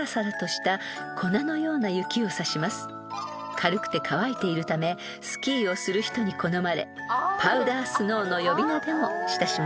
［軽くて乾いているためスキーをする人に好まれパウダースノーの呼び名でも親しまれています］